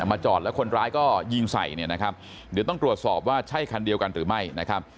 มาจอดแล้วคนร้ายก็ยิงใส่เนี่ยนะครับเดี๋ยวต้องตรวจสอบว่าใช่คันเดียวกันหรือไม่นะครับ